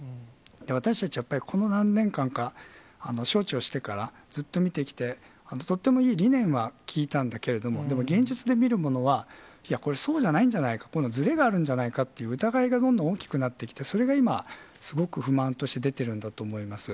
私たちは、やっぱりこの何年間か、招致をしてから、ずっと見てきて、とってもいい理念は聞いたんだけれども、でも現実で見るものは、いや、これそうじゃないんじゃないか、このずれがあるんじゃないかっていう疑いがすごく大きくなってきて、それが今、すごく不満として出てるんだと思います。